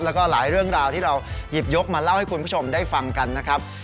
แล้วก็หลายเรื่องราวที่เราหยิบยกมาเล่าให้คุณผู้ชมได้ฟังกันนะครับ